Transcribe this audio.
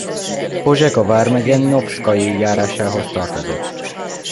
Pozsega vármegye Novszkai járásához tartozott.